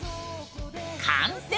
完成！